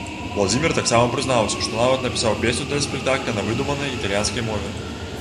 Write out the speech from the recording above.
Уладзімір таксама прызнаўся, што нават напісаў песню для спектакля на выдуманай італьянскай мове.